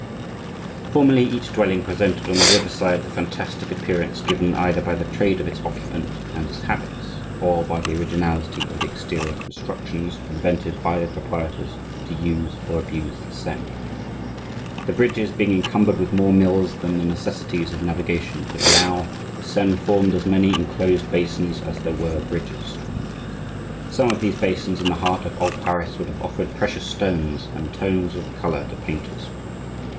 Formerly each dwelling presented on the river side the fantastic appearance given either by the trade of its occupant and his habits, or by the originality of the exterior constructions invented by the proprietors to use or abuse the Seine. The bridges being encumbered with more mills than the necessities of navigation could allow, the Seine formed as many enclosed basins as there were bridges. Some of these basins in the heart of old Paris would have offered precious scenes and tones of color to painters.